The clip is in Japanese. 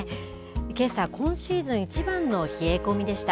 けさ今シーズン一番の冷え込みでした。